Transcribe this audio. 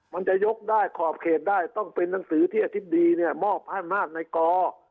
มันจะยกได้ขอบเขตได้ต้องเป็นหนังสือที่อธิบดีเนี่ยมอบให้อำนาจในกอ